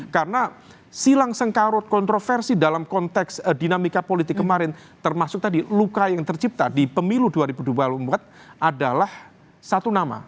karena silang sengkarut kontroversi dalam konteks dinamika politik kemarin termasuk tadi luka yang tercipta di pemilu dua ribu dua puluh adalah satu nama